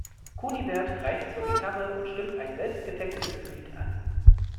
Kunibert greift zur Gitarre und stimmt ein selbst getextetes Lied an.